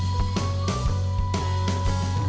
kalau kamu tak nonton juga